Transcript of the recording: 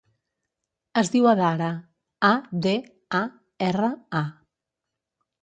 Es diu Adara: a, de, a, erra, a.